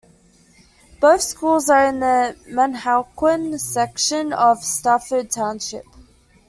Both schools are in the Manahawkin section of Stafford Township.